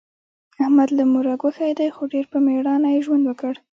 احمد له موره ګوښی دی، خو ډېر په مېړانه یې ژوند وکړ.